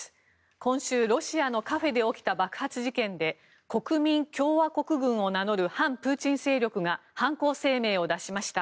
今週、ロシアのカフェで起きた爆発事件で国民共和国軍を名乗る反プーチン勢力が犯行声明を出しました。